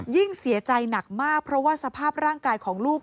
ยิ่งเสียใจหนักมากเพราะว่าสภาพร่างกายของลูก